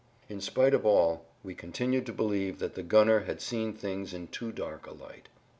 In spite of all we continued to believe that the gunner had seen things in too dark a light.